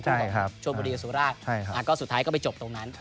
ขึ้นต่อโชคบุดีอสุราคสุดท้ายก็ไปจบตรงนั้น